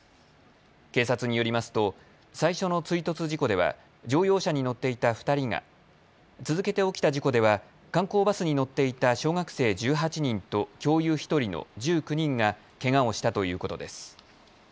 警察によりますと最初の追突事故では乗用車に乗っていた２人が、続けて起きた事故では観光バスに乗っていた小学生１８人と教諭１人の１９人がけがをしたということです。